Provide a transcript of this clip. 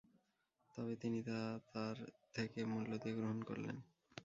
তবে তিনি তা তার থেকে মূল্য দিয়ে গ্রহণ করলেন।